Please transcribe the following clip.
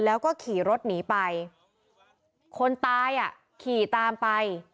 แล้วก็ขี่รถหนีไปคนตายอ่ะขี่ตามไป